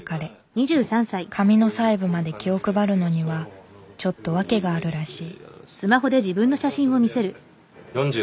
髪の細部まで気を配るのにはちょっと訳があるらしい。